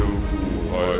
aku ingin menjadi kaya rakyat